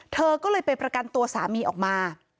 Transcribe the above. เธอก็เลยไปประกันตัวสามีออกมา